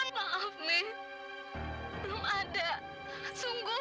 maaf nih belum ada sungguh